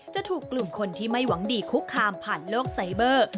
จะถูกกลุ่มคนที่ไม่หวังดีคุกคามผ่านโลกไซเบอร์